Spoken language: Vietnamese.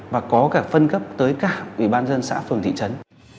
và có cả phân cấp tới cả ủy ban dân xã phường thị trấn